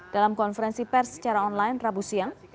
dalam konferensi pers secara online rabu siang